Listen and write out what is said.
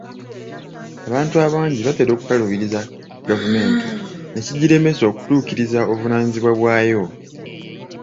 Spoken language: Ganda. Abantu abangi batera okukaluubiriza gavumenti ne kigiremesa okutuukiriza obuvunaanyizibwa bwayo.